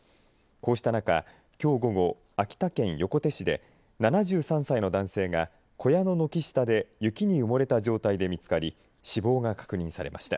こうした中きょう午後、秋田県横手市で７３歳の男性が小屋の軒下で雪に埋もれた状態で見つかり死亡が確認されました。